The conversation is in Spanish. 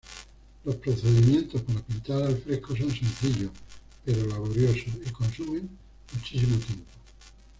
Los procedimientos para pintar al fresco son sencillos pero laboriosos, y consumen muchísimo tiempo.